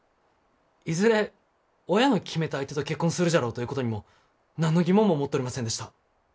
いずれ親の決めた相手と結婚するじゃろうということにも何の疑問も持っとりませんでした。